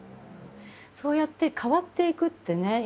そうやって変わっていくってね